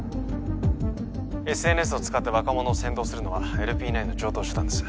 ＳＮＳを使って若者を扇動するのはＬＰ９の常とう手段です